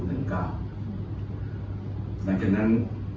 หลังจากนั้น